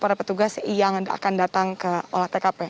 para petugas yang akan datang ke olah tkp